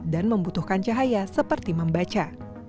dan membutuhkan cahaya seperti membaca